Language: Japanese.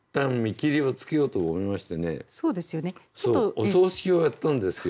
お葬式をやったんですよ。